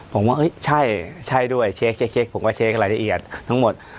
ผมว่าใช่ใช่ด้วยเช็คผมก็เช็ครายละเอียดทั้งหมด